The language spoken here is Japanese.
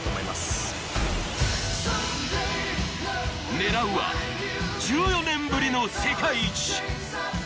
狙うは１４年ぶりの世界一。